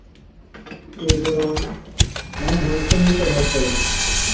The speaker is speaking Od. اي دوران ٻانڀڻ ڪھين پڙھي ڇَي